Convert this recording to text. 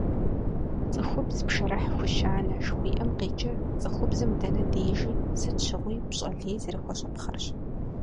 «ЦӀыхубз пшэрыхь хущанэ» жыхуиӀэм къикӀыр цӀыхубзым дэнэ дежи, сыт щыгъуи пщӀэ лей зэрыхуэщӀыпхъэрщ.